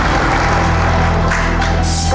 ถูกครับ